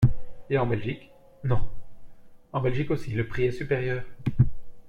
Et en Belgique ? Non ! En Belgique aussi, le prix est supérieur.